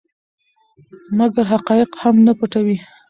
مګر حقایق هم نه پټوي.